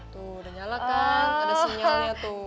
tuh udah nyala kan ada sinyalnya tuh